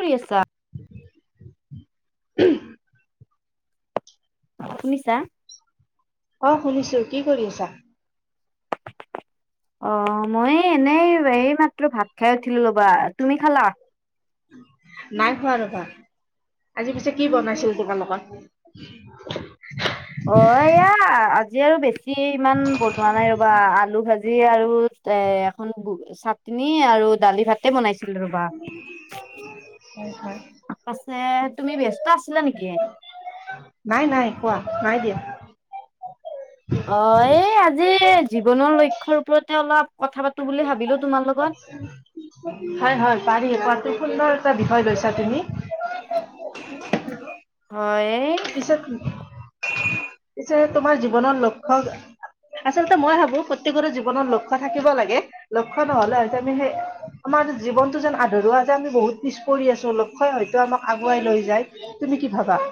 কৰি আছা? [unintelligible] শুনিছা? অ শুনিছো। কি কৰি আছা? অ মই এনেই এই মাত্ৰ ভাত খাই উঠিলো ৰ'বা। তুমি খালা? নাই খোৱা ৰ'বা। আজি পিছে কি বনাইছিল তোমালোকৰ? অ, এয়া আজি আৰু বেছি ইমান বনোৱা নাই ৰবা। আলু ভাজি আৰু এ এখন চাটনি আৰু দালি ভাত। এ বনাইছিল ৰবা। হয়, হয়। পাছে, তুমি ব্যস্ত আছিলা নেকি? নাই নাই কোৱা। নাই দিয়া। অ, এই আজি জীৱনৰ লক্ষ্যৰ ওপৰতে অলপ কথা পাতো বুলি ভাবিলো তোমাৰ লগত? হয় হয় পাৰি, পোৱাটো সুন্দৰ এটা বিষয় লৈছা তুমি। হয়। এ [unintelligible] পিছে তোমাৰ জীৱনৰ লক্ষ্য আচলতে মই ভাবো প্ৰত্যেকৰে জীৱনত লক্ষ্য থাকিব লাগে। লক্ষ্য নহলে হয়টো আমি সে আমাৰ জীৱনটো যেন আধৰুৱা যে আমি বহুত পিছ পৰি আছো অলপ। হয়, হয়তো আমাক আগুৱাই লৈ যায়। তুমি কি ভাবা?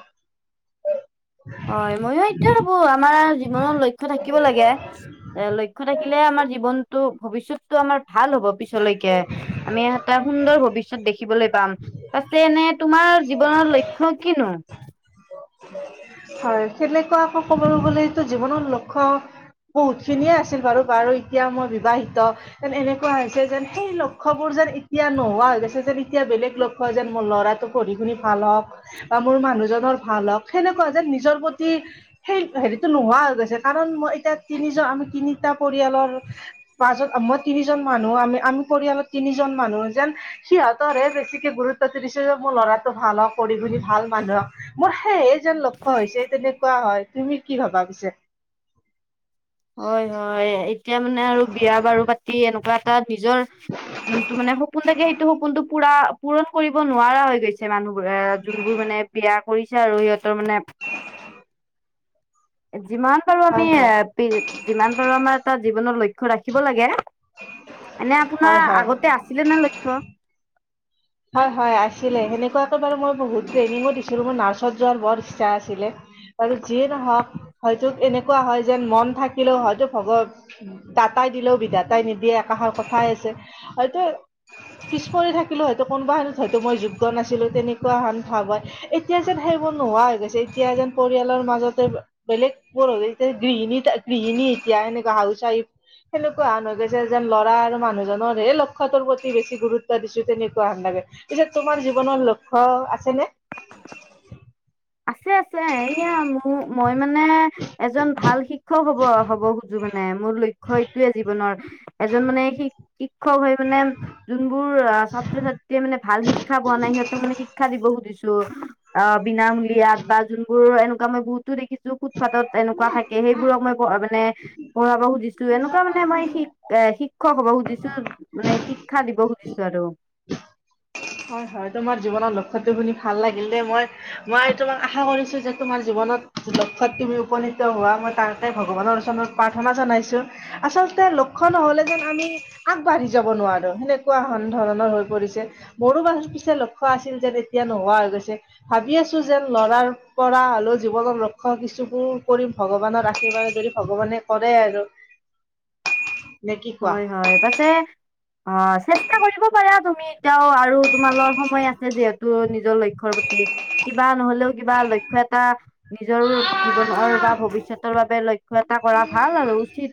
হয়, ময়ো এইটোৱে ভাবো আমাৰ জীৱনত লক্ষ্য থাকিব লাগে। এ লক্ষ্য থাকিলে আমাৰ জী জীৱনটো ভৱিষ্যতটো আমাৰ ভাল হ'ব পিছলৈকে। আমি এহটা সুন্দৰ ভৱিষ্যত দেখিবলৈ পাম। পাছে এনে তোমাৰ জীৱনৰ লক্ষ্য কি নো? হয়। সেনেকুৱা আকৌ ক'বলৈ গ'লেতো জীৱনৰ লক্ষ্য বহুতখিনিয়ে আছিল বাৰু। বাৰু এতিয়া মই বিবাহিত। যেন এনেকুৱা হৈছে যেন সেই লক্ষ্য বোৰ যেন এতিয়া নোহোৱা হৈ গৈছে যেন এতিয়া বেলেগ লক্ষ্য কয় যেন মোৰ ল'ৰাটো পঢ়ি শুনি ভাল হওঁক বা মোৰ মানুহজনৰ ভাল হওঁক। সেনেক কোৱা যেন নিজৰ প্ৰতি সেই হেৰিটো নোহোৱা হৈ গৈছে, কাৰণ মই এতিয়া তিনিজন আমি তিনিটা পৰিয়ালৰ পাঁচজন মই তিনিজন মানুহ আমি আমি পৰিয়ালত তিনিজন মানুহ যেন সিহঁতৰহে বেছিকে গুৰুত্ব দি দিছে যে, মোৰ ল'ৰাটো ভাল হওক। পঢ়ি শুনি ভাল মানুহক হওক। মোৰ সেইহে যেন লক্ষ্য হৈছে তেনেকুৱা হয়। তুমি কি ভাবা পিছে? হয় হয়। এতিয়া মানে আৰু বিয়া বাৰু পাতি এনেকুৱা তাত নিজৰ যোনটো মানে সপোন থাকে সেইটো সপোনটো পুৰা পূৰণ কৰিব নোৱাৰা হৈ গৈছে। মানুহবোৰে এ যোনবোৰ মানে বিয়া কৰিছে আৰু সিহঁতৰ মানে যিমান পাৰো আমি হয় হয় এ যিমান পাৰো আমাৰ এটা জীৱনৰ লক্ষ্য ৰাখিব লাগে। এনে আপোনাৰ হয় হয় আগতে আছিলে নে লক্ষ্য? হয় হয় আছিলে। সেনেকুৱাকে বাৰু মই বহুত ট্ৰেইনিঙো দিছিলোঁ। মোৰ নাৰ্ছত যোৱাৰ বৰ ইচ্ছা আছিলে। হয়তো যিয়ে নহওক হয়তো এনেকুৱা হয় যেন মন থাকিলেও হয়তো ভগ দাতাই দিলেও বিদাতাই নিদিয়ে একাষৰ কথাই আছে। হয়তো পিছ পৰি থাকিলোঁ। হয়তো কোনোবাখিনিত হয়তো মই যোগ্য নাছিলোঁ, তেনেকুৱা হান ভাৱ হয়। এতিয়া যেন সেইবোৰ নোহোৱা হৈ গৈছে, এতিয়া যেন পৰিয়ালৰ মাজতে বেলেগ গৃহণী গৃহণী এতিয়া এনেকা হাউচ ৱাইফ সেনেকুৱা হন হৈ গৈছে। যেন ল'ৰা আৰু মানুহজনৰ হে লক্ষ্যটোৰ প্ৰতি বেছি গুৰুত্ব দিছো তেনেকুৱা লাগে। পিছে তোমাৰ জীৱনৰ লক্ষ্য আছেনে? আছে আছে এয়া মোৰ মই মানে এজন ভাল শিক্ষক হব হব খোজো মানে, মোৰ লক্ষ্য এইটোয়ে জীৱনৰ। এজন মানে শ শিক্ষক হয় মানে যোনবোৰ ছাত্ৰ ছাত্ৰী মানে ভাল শিক্ষা পোৱা নাই সিহঁতৰ মানে শিক্ষা দিব খুজিছো অ বিনা বিয়াত বা যোনবোৰ এনেকুৱা মই বহুতো দেখিছো, ফুটপাথত এনেকুৱা থাকে সেইবোৰক মই মানে পঢ়াব সুধিছো এনেকুৱা মানে আমাৰ শিকা এ শিক্ষক হ'ব খুজিছো মানে, শিক্ষা দিব খুজিছো আৰু। হয় হয়। তোমাৰ জীৱনৰ লক্ষ্যটো শুনি ভাল লাগিল দেই। মই মই এইটো আশা কৰিছো যে তোমাৰ জীৱনত যে লক্ষ্য তুমি উপনীত হোৱা মই তাৰতে ভগৱানৰ ওচনত প্ৰাৰ্থনা জনাইছোঁ। আচলতে লক্ষ্য নহ'লে যেন আমি আগবাঢ়ি যাব নোৱাৰো। সেনেকুৱান ধৰণৰ হৈ পৰিছে। মোৰো মানে পিছে লক্ষ্য আছিল যেন তেতিয়া নোহোৱা হৈ গৈছে। ভাবি আছো যেন লৰাৰ পৰা হলেও জীৱনত লক্ষ্য কিছুবোৰ কৰিম। ভগৱানৰ আশীৰ্বাদ যদি ভগৱানে কৰে আৰু। নে কি কোৱা হয় হয় পাছে অ চেষ্টা কৰিব পাৰা তুমি। এতিয়াও আৰু তোমাৰ লগত সময় আছে যিহেতু নিজৰ লক্ষ্য প্ৰতি কিবা নহলেও কিবা লক্ষ্য এটা নিজৰ জীৱনৰ বা ভৱিষ্যতৰ বাবে লক্ষ্য এটা কৰা ভাল আৰু উচিত।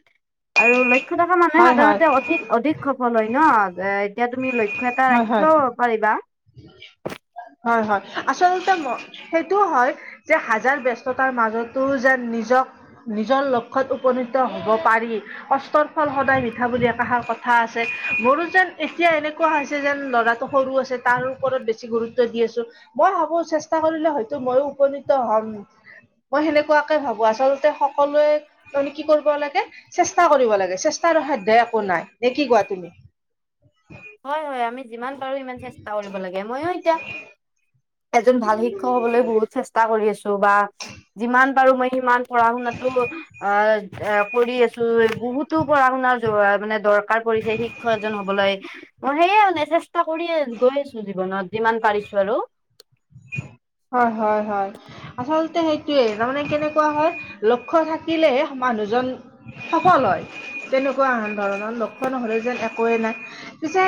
আৰু লক্ষ্য মানুহে হয় হয় সাধাৰণতে অধিক অধিক সফল হয় ন? এ এতিয়া তুমি লক্ষ্য এটা হয় হয় ৰাখিলো কৰিবা হয় হয় আচলতে মই সেইটো হয় যে হাজাৰ ব্যস্ততাৰ মাজতো যেন নিজক নিজৰ লক্ষ্যত উপনীত হ'ব পাৰি। কষ্টৰ ফল সদায় মিঠা বুলি একাষাৰ কথা আছে, মোৰো যেন এতিয়া এনে কোৱা হৈছে যেন ল'ৰাটো সৰু আছে তাৰ ওপৰত বেছি গুৰুত তিয়া দি আছো, মই ভাবো চেষ্টা কৰিলে হয়তো ময়ো উপনীত হ'ম। মই সেনেকুৱাকে ভাবো আচলতে সকলোৱে তুমি কি কৰিব লাগে, চেষ্টা কৰিব লাগে চেষ্টা সাধ্যয় একো নাই, নে কি কোৱা তুমি? হয় হয়, আমি যিমান পাৰো সিমান চেষ্টা কৰিব লাগে। ময়ো এতিয়া এজন ভাল শিক্ষক হবলৈ বহুত চেষ্টা কৰি আছো, বা যিমান পাৰো মই সিমান পঢ়া শুনাতো অ এ কৰি আছো বহুতো পঢ়া শুনাৰ মানে দৰ কাৰ কৰিছে শিক্ষক এজন হবলৈ, মই সেয়ে মানে চেষ্টা কৰি গৈ আছো। জীৱনত যিমান পাৰিছো আৰু। হয় হয় হয়। আচলতে সেইটোৱে, তাৰমানে কেনেকুৱা হয় লক্ষ্য থাকিলে মানুহজন সফল হয়, তেনেকুৱা আন ধৰণৰ লক্ষণ হ'লে যেন একোৱে নাই। পিছে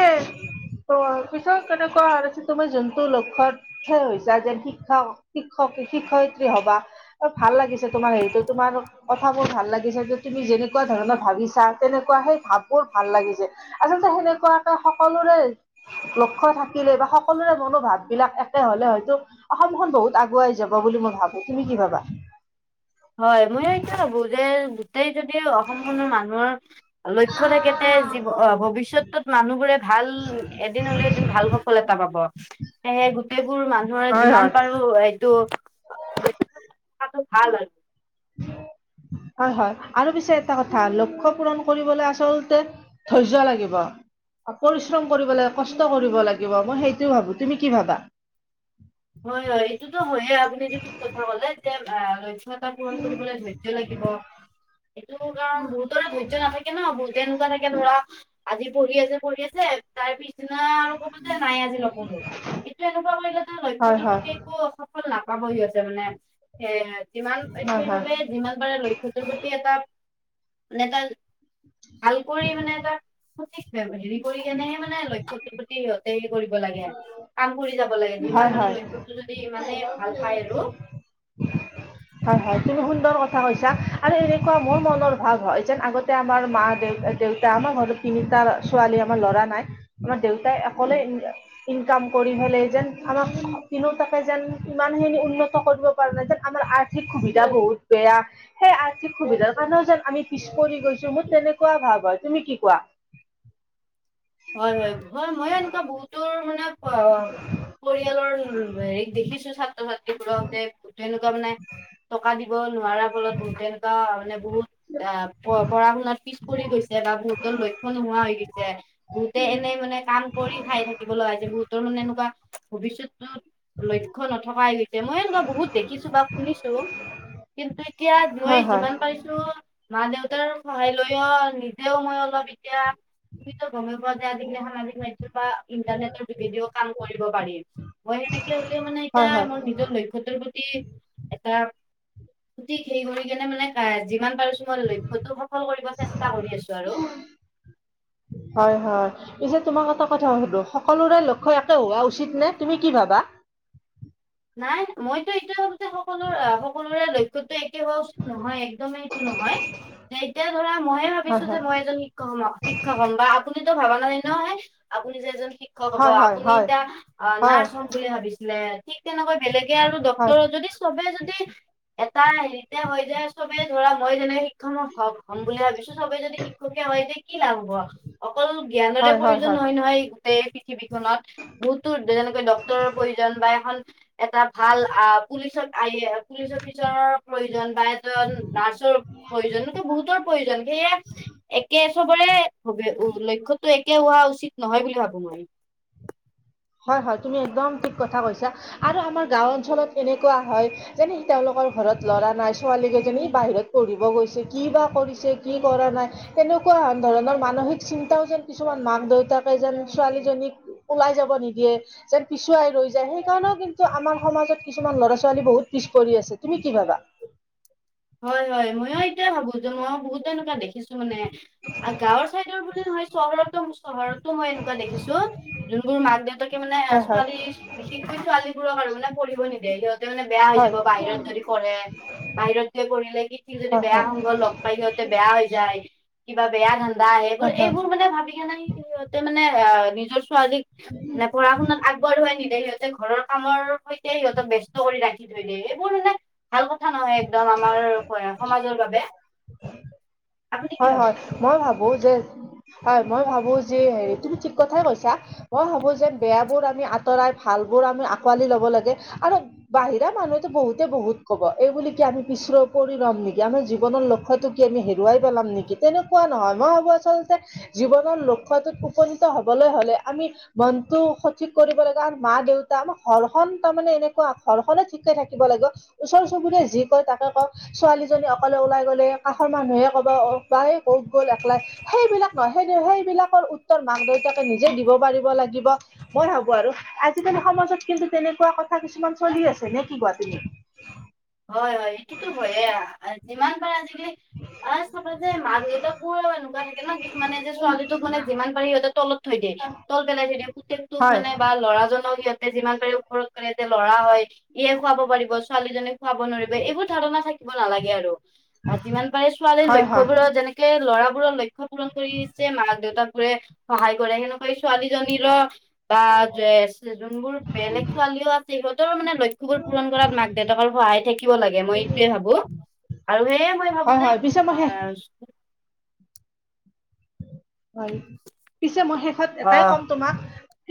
অঁ পিছত কেনেকুৱা হৈ আছে তোমাৰ যোনটো লক্ষত উপনীত হৈছা যেন শিক্ষক শিক্ষক শিক্ষয়িত্ৰীৰ হবা। অঁ, ভাল লাগিছে তোমাৰ হেৰিতো তোমাৰ। কথাবোৰ ভাল লাগিছে যে তুমি যেনেকুৱা ধৰণৰ ভাবিছা তেনেকুৱা সেই ভাব বোৰ ভাল লাগিছে। আচলতে সেনেকুৱাকে সকলোৰে লক্ষ্য থাকিলে বা সকলোৰে মনোভাৱ বিলাক একে হলে হয়তো অসমখন বহুত আগুৱাই যাব বুলি মই ভাবো, তুমি কি ভাবা? হয়, মই সেইটোৱে ভাবো যে গোটেই যদি অসমখনৰ মানুহৰ লক্ষ্য থাকেতে যি অ ভৱিষ্যতত মানুহবোৰে ভাল এদিন হলেও এদিন ভাল স ফল এটা পাব, সেয়হে গোটেইবোৰ মানুহৰ হয় যিমান হয়। পাৰো এই থকাটো ভাল হয়। [inaudible] হয় হয়, আৰু পিছে এটা কথা লক্ষ্য পূৰণ কৰিবলৈ আচলতে ধৈৰ্য লাগিব। পৰিশ্ৰম কৰিব লাগে কষ্ট কৰিব লাগিব মই সেইটো ভাবো, তুমি কি ভাবা? হয় হয় এইটোতো হয়ে আপুনি এইটো ঠিক কথা হলে, যে কিবা এটা পূৰণ কৰিবলৈ ধৈৰ্য লাগিব। সেইটো কাৰণ বহুতৰে ধৈৰ্য নাথাকে ন, বহুতে এনেকুৱা থাকে ধৰা আজি পঢ়ি আছে পঢ়ি আছে। তাৰ পিছ দিনা আৰু কব যে নাই আজি নপঢ়ো, এইটো এনেকুৱা কৰিলে ত ল হয় হয় একো সফল নাপাব সিহঁতে মানে, এ যিমান হয় হয়। সেইবাবে যিমান মানে লক্ষটোৰ প্ৰতি এটা মানে এটা ভাল কৰি মানে এটা সঠিক হেৰি কৰি কেনেহে মানে লক্ষ্যটোৰ প্ৰতি সিহঁতে হেৰি কৰিব লাগে। কাম কৰি যাব লাগে, যিমান হয় মানে হয়। লক্ষ্যটো যদি ইমানে ভাল পায় আৰু। হয় হয় তুমি সুন্দৰ কথা কৈছা, আৰু এনেকুৱা মোৰ মনৰ ভাৱ হয় যেন আগত এতিয়া আমাৰ মা দেউতা দেউতা আমাৰ ঘৰত তিনিটা ছোৱালী আমাৰ ল'ৰা নাই। আমাৰ দেউতাই অকলে ইনকাম কৰি পেলাই যেন আমাক তিনিওটাকে যেন ইমানখিনি উন্নত কৰিব পৰা নাই যেন আমাৰ আৰ্থিক সুবিধা বহুত বেয়া। সেই আৰ্থিক সুবিধাৰ কাৰানেও যেন আমি পিছ পৰি গৈছো মোৰ তেনেকুৱা ভাৱ হয়, তুমি কি কোৱা? হয় হয় হয় ময়ো এনেকা বহুত তোৰ মানে অ পৰিয়ালৰ হেৰি দেখিছো ছাত্ৰ ছাত, তে তেনেকুৱা মানে টকা দিব নোৱাৰাৰ ফলত বহুত তেনেকুৱা মানে, বহুত আহ প পঢ়া শুনাত পিছ পৰি গৈছে বা বহুতৰ লক্ষণ নোহোৱা হৈ গৈছে। বহুতে এনেই মানে কাম কৰি খাই থাকিব লগা যে বহুতৰ মানে এনেকুৱা ভৱিষ্যতটোত, লক্ষ্য নথকাই হৈ গৈছে মই এনেকুৱা বহুত দেখিছো বা শুনিছো। কিন্তু এতিয়া মই হয় হয় যিমান পাৰিছো, মা দেউতাৰ সহায় লৈ অ নিজেও মই অলপ এতিয়া, গমে পোৱা যে আজিকালি সামাজিক মাধ্যম বা ইন্টাৰনেটৰ যোগেদিও কাম কৰিব পাৰি। মই সেনেকে হলেও মানে এতিয়া হয় হয় মোৰ নিজৰ লক্ষ্যটোৰ প্ৰতি এটা, সঠিক হেই কৰি কেনে মানে যিমান পাৰোছো মই লক্ষ্যটো সফল কৰিব চেষ্টা কৰি আছো আৰু, [inaudible] হয় হয়। পিছে তোমাক এটা কথা সুধো সকলোৰে লক্ষ্য একে হোৱা উচিত নে তুমি কি ভাবা? নাই মইতো এইটোয়ে ভাবো যে সকলোৰে সকলোৰে লক্ষ্য, টো একে হোৱা উচিত নহয় একদমেই সটো নহয় যে এতিয়া ধৰা মইে হয় ভাবিছো যে হয় মই এজনি, শ হ শিক্ষক হম বা আপুনিতো ভবা নাইয় নহয় আপুনি যে এজন শী, শিক্ষক হ'ব হয় হয় আপুনি হয় এতিয়া আ হয়, নাৰ্ছ হম বুলি ভাবিছিলে। ঠিক তেনেকৈ বেলেগে আৰু হয়, ড্ক্তৰৰ যদি, চবে যদি এটা হেৰিতে হৈ যায় সবেই ধৰা মই যেনেকে শিক্ষক হম। শিক্ষক হম বুলি ভাবিছো সবেই যদি শিক্ষকে হয় তেতিয়া কি লাভ হব অ। অকল জ্ঞানৰে হয়, হয়, প্ৰয়োজন হয়, নহয় নহয়। গোটেই পৃথিৱীখনত বহুতো যেনেকৈ ডক্তৰৰ প্ৰয়োজন বা এখন, এটা ভাল আহ পুলিচত আয়ে, পুলিচ অফিচাৰৰ প্ৰয়োজন বা এজন নাৰ্চৰ প্ৰয়োজন এক বহুতৰ প্ৰয়োজন সেয়ে, একে সবৰে ভব উ লক্ষ্যটো একে হোৱা উচিত নহয় বুলি ভাবো মই, হয় হয় তুমি একদম ঠিক কথা কৈছা আৰু আমাৰ গাঁও অঞ্চলত এনেকুৱা হয়, যেনে তেওঁলোকৰ ঘৰত ল'ৰা নাই ছোৱালীকেইজনী বাহিৰত পঢ়িব গৈছে কি বা কৰিছে কি কৰা নাই, তেনেকুৱা ধৰণৰ মানসিক চিন্তাও যেন, কিছুমান মাক দেউতাকে যেন ছোৱালীজনীক, ওলাই যাব নিদিয়ে। যেন পিছুৱাই ৰৈ যায়, সেইকাৰণেও কিন্তু আমাৰ সমাজত কিছুমান ল'ৰা ছোৱালী বহুত পিছ পৰি আছে। তুমি কি ভাবা? হয় হয়। ময়ো এইটোৱেই ভাবো যে, মই বহুত এনেকুৱা দেখিছো মানে, আ গাঁৱৰ চাইদৰ, বুলি নহয়, চহৰতো চহৰতো মই এনেকুৱা দেখিছো, যোনবোৰ মাক দেউতাকে মানে হয় হয় ছোৱালী, বিশেষকৈ ছোৱালীবোৰক আৰু মানে পঢ়িব নিদিয়ে, সিহঁত মানে বেয়া হৈ হয় যাব, বাহিৰত যদি পঢ়ে, বাহিৰত যাই কৰিলে কি ঠিক যদি হয় বেয়া হয় হৈ গ'ল। লগ পাই সিহঁতে বেয়া হৈ যায়, কিবা বেয়া ধান্দা আহে, এইবোৰ হয় হয় এইবোৰ মানে ভাবি কিনি সিহত, মানে অ' নিজৰ ছোৱালীক মানে পঢ়া শুনাত আগ, বৰুৱাই নিদিয়ে, সিহঁতে ঘৰৰ কামৰ সৈতে সিহঁতক ব্যস্ত কৰি ৰাখি থৈ দিয়ে, এইবোৰ মানে, ভাল কথা নহয়, একদম আমাৰ সমাজৰ বাবে। আপুনি কি হয় ভাবে হয়, মই ভাবো যে, হয় মই ভাবো যে, হেৰি তুমি ঠিক কথাই কৈছা। মই ভাবো যে, বেয়াবোৰ আমি আঁতৰাই ভাল বোৰ আমি আঁকোৱালি ল'ব লাগে, আৰু বাহিৰা মানুহেতো বহুতে বহুত ক'ব, এই বুলি কি আমি পিছৰ পৰি ৰম নেকি, আমাৰ জীৱনৰ লক্ষ্যতো, আমি হেৰুৱাই পেলাম নেকি? তেনেকুৱা নহয়, মই ভাবো আচলতে, জীৱনৰ লক্ষ্যটোত উপনীত হ'বলৈ হ'লে আমি, মনতটো সঠিক কৰিব লাগে আৰু মা দেউতা আমাৰ ঘৰখন তাৰমানে এনেকুৱা, ঘৰখনো ঠিকেই থাকিব লাগিব। ওচৰ চুবুৰীয়া যি কয় তাকে কওঁক, ছোৱালীজনী অকলে ওলাই গ'লে কাষৰ মানুহে, ক'ব পাই ক'ত গ'ল একলাই সেইবিলাক নহয়, সেই সেইবিলাকৰ উত্তৰ মাক দেউতাকে নিজেই দিব পাৰিব লাগিব। মই ভাবো আৰু, আজিকালি সমাজত কিন্তু তেনেকুৱা কথা কিছুমান চলি আছে, নে কি কোৱা তুমি? হয় হয়, এইটোতো হয়েই, যিমান পাৰা আজি ফাৰ্ষ্ট চাবা যে মা দেউতা কোন [unintelligible] থাকে ন কিছুমানে যে ছোৱালীটোক মানে যিমান পাৰি সিহঁতে তলত থৈ দিয়ে, তল পেলাই থৈ দিয়ে, পুতেকটোক হয় মানে ভাল লৰাজনক সিহঁতে যিমান পাৰে ওপৰত পেলাই দিয়ে, ল'ৰা হয় ইহে খুৱাব পাৰিব, ছোৱালীজনিক খুৱাব নোৱাৰিব। এইবোৰ ধাৰণা থাকিব নালাগে আৰু, যিমান পাৰে ছোৱালীৰ হয় হয় লক্ষ্যবোৰৰ যেনে হেই ল'ৰাবোৰৰ লক্ষ্যপূৰণ কৰিছে মাক দেউতাকবোৰে সহায় কৰে, সেনেকৈ ছোৱালীজনীৰো বা যোনবোৰ বেলেগ ছোৱালীও আছে, সিহঁতৰো মানে লক্ষ্যবোৰ পূৰণ কৰাত মাক দেউতাকৰ সহায় থাকিব লাগে। মই এইটোৱেই ভাবো, আৰু সেয়েই মই ভাবো হয় যে হয় পিছে মই শেষ হয়, পিছে মই শেষত এটাই ক'ম তোমাক,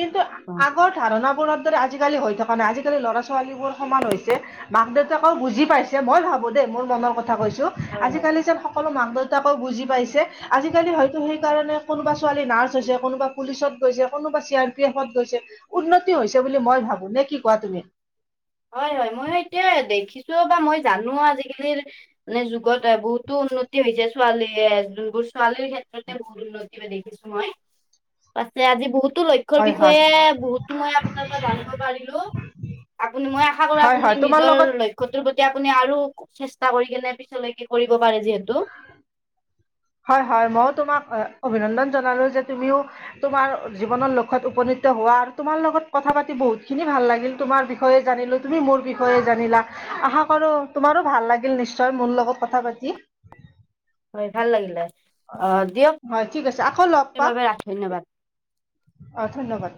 কিন্তু আগৰ ধাৰণাবোৰৰ দৰে আজিকালি হৈ থকা নাই, আজিকালি ল'ৰা ছোৱালীবোৰ সমান হৈছে। মাক দেউতাকক বুজি পাইছে, মই ভাবো দেই, মোৰ মনৰ কথা কৈছো। হয় হয় আজিকালি যেন সকলো মাক দেউতাকেও বুজি পাইছে, আজিকালি হয়তো সেই কাৰণে কোনোবা ছোৱালী নাৰ্চ হৈছে, কোনোবা পুলিচত গৈছে, কোনোবা চি আৰ পি এফত গৈছে। উন্নতি হৈছে বুলি মই ভাবো, নে কি কোৱা তুমি? হয় হয়, ময়ো সেইটোৱেই দেখিছো বা মই জানো ৱ আজিকালিৰ মানে যুগত বহুতো উন্নতি হৈছে ছোৱালীয়ে, যোনবোৰ ছোৱালীৰ ক্ষেত্ৰতে বহুত উন্নতি হোৱা দেখিছো মই, পাছে আজি বহুতো লক্ষ লক্ষ্যৰ হয় হয় বিষয়ে বহুতো মই আপোনাৰ পৰা জানিব পাৰিলো। মই আশা কৰোঁ হয় আপুনি হয় তোমাৰ নিজৰ লগত লক্ষ্য লক্ষ্যটোৰ প্ৰতি আপুনি আৰু চেষ্টা কৰি কেনে পিছলৈকে কৰিব পাৰে যিহেতু। হয় হয় মইও তোমাক অভিনন্দন জনালো যে তুমিও তোমাৰ জীৱনৰ লক্ষ্যত উপনীত হোৱা আৰু তোমাৰ লগত কথা পাতি বহুত খিনি ভাল লাগিল তোমাৰ বিষ বিষয়ে জানিলোঁ তুমি মোৰ বিষয়ে জানিলা আশা কৰো তোমাৰো ভাল লাগিল নিশ্চয় মোৰ লগত কথা পাতি হয় ভাল লাগিলে অ হয় ঠিক আছে আকৌ লগ পাম। বাবে ধন্যবাদ হয় ধন্যবাদ